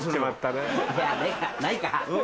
ないか。